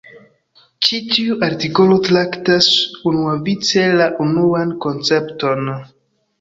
Ĉi tiu artikolo traktas unuavice la unuan koncepton.